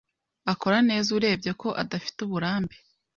Akora neza urebye ko adafite uburambe.